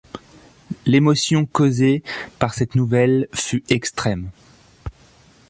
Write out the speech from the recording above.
L’émotion causée par cette nouvelle fut extrême.